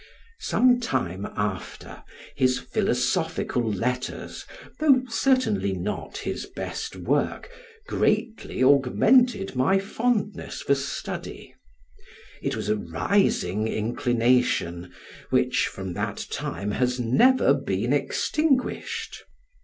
Some time after, his philosophical letters (though certainly not his best work) greatly augmented my fondness for study; it was a rising inclination, which, from that time, has never been extinguished.